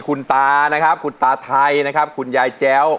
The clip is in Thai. คุณตาไทคุณยายแจ้าว